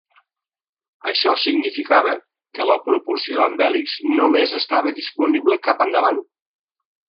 Això significava que la propulsió amb hèlix només estava disponible cap endavant.